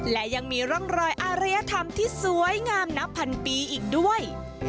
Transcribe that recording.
และยังมีร่องรอยอารยธรรมที่สวยงามนับพันปีอีกด้วย